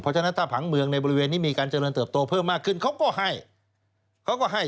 เพราะฉะนั้นถ้าผังเมืองในบริเวณนี้มีการเจริญเติบโตเพิ่มมากขึ้นเขาก็ให้เขาก็ให้